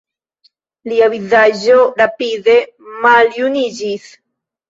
Lia vizaĝo rapide maljuniĝis.